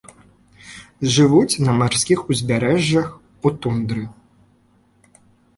Жывуць на марскіх узбярэжжах, у тундры.